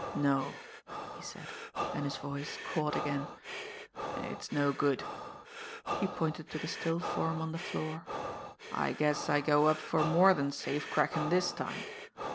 "No," he said, and his voice caught again. "It's no good." He pointed to the still form on the floor. "I guess I go up for more than safe crackin' this time.